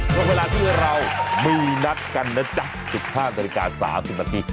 เวลาที่เรามีนัดกันน่ะจ๊ะสุดท้ายบริการสามสิบนาที